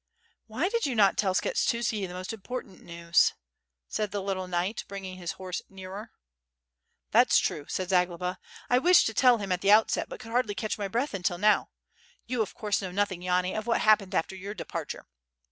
..." "Why do you not tell Skshetuski the most important news?" said the little knight, bringing his horse nearer. '^That's true," said Zagloba. "1 wished to tell him at the outset, but could hardly catch my breath until now. You of course know nothing, Yani, of what happened after your departure.